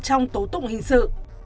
trong tố tụng hình sự